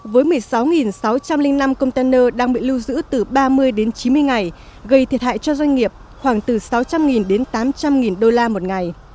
với một mươi sáu sáu trăm linh năm container đang bị lưu giữ từ ba mươi đến chín mươi ngày gây thiệt hại cho doanh nghiệp khoảng từ sáu trăm linh đến tám trăm linh đô la một ngày